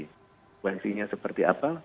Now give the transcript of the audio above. konsekuensinya seperti apa